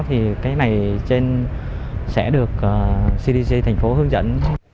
thì cái này trên sẽ được cdc tp hcm hướng dẫn